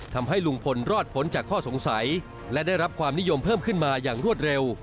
ทำให้ลุงพลรอดพ้นจากข้อสงสัยและได้รับความนิยมเพิ่มขึ้นมาอย่างรวดเร็ว